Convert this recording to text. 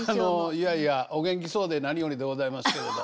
いやいやお元気そうで何よりでございますけれど。